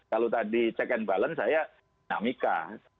kalau tadi check and balance saya dinamika